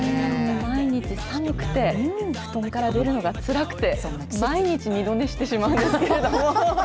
毎日寒くて、布団から出るのがつらくて、毎日二度寝してしまうんですけれども。